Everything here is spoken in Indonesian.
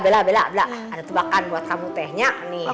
nah bela bela ada tebakan buat kamu tehnya